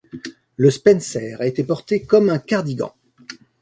Le spencer a été porté comme un cardigan.